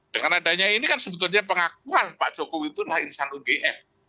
dengan adanya ini kan sebetulnya pengakuan pak jokowi itu adalah insan ugm